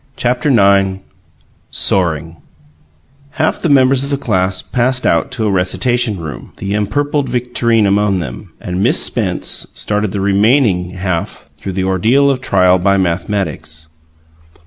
CHAPTER IX SOARING Half the members of the class passed out to a recitation room, the empurpled Victorine among them, and Miss Spence started the remaining half through the ordeal of trial by mathematics.